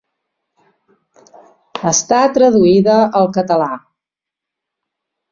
Està traduïda al català.